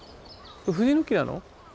藤の木なの？